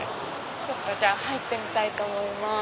ちょっと入ってみたいと思います。